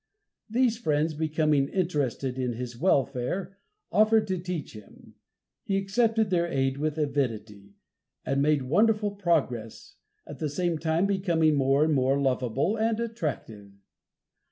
These friends becoming interested in his welfare, offered to teach him. He accepted their aid with avidity, and made wonderful progress, at the same time becoming more and more lovable and attractive.